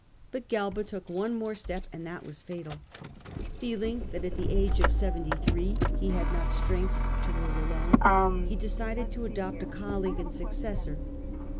But Galba took one more step, and that was fatal. Gaiba Feeling that at the age of seventy three he as had not strength to rule alone, he decided to ic.'igue ; adopt a colleague and successor.